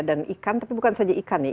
dan ikan tapi bukan saja ikan ya